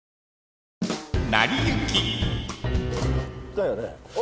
だよね？